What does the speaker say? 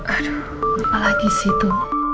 aduh apa lagi sih itu